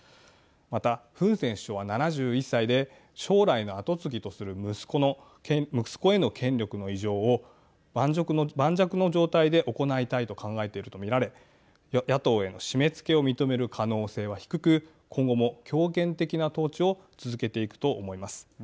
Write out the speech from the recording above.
また、フン・セン首相は７１歳で将来の跡継ぎとする息子への権力の移譲を盤石の状態で行いたいと考えているとみられ野党への締め付けを認める可能性は低く今後も強権的な統治を続けていくと思います。